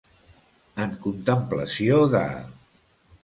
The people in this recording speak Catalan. En contemplació de.